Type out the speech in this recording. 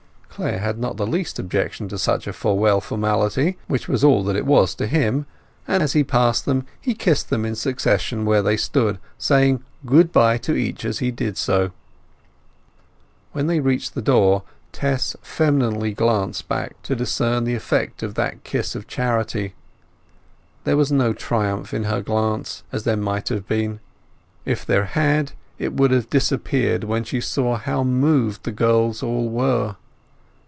Clare had not the least objection to such a farewell formality—which was all that it was to him—and as he passed them he kissed them in succession where they stood, saying "Goodbye" to each as he did so. When they reached the door Tess femininely glanced back to discern the effect of that kiss of charity; there was no triumph in her glance, as there might have been. If there had it would have disappeared when she saw how moved the girls all were.